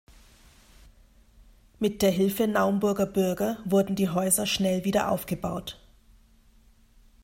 Mit der Hilfe Naumburger Bürger wurden die Häuser schnell wieder aufgebaut.